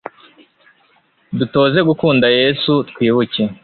dutoze gukunda yezu, twibuke